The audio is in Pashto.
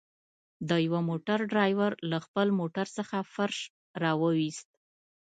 د يوه موټر ډريور له خپل موټر څخه فرش راوويست.